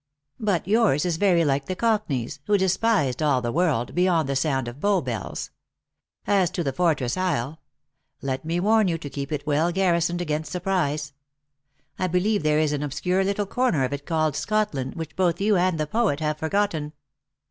But yours is very like the cockney s, who de spised all the world, beyond the sound of Bow bells. As to the fortress isle. (Let me warn you to Jceep it well garrisoned against surprise.) I believe there is an obscure little corner of it called Scotland, which both you and the poet have forgotten."